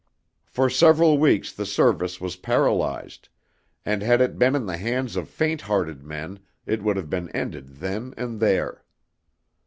For several weeks the service was paralyzed, and had it been in the hands of faint hearted men it would have been ended then and there.